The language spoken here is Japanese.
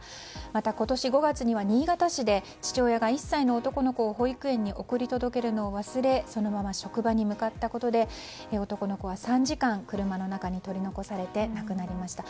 また今年５月には新潟市で父親が１歳の男の子を保育園に送り届けるのを忘れそのまま職場に向かったことで男の子は３時間車の中に取り残され亡くなりました。